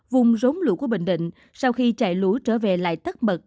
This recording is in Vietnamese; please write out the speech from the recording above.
vùng rốn lũ của bình định sau khi chạy lũ trở về lại tắt mật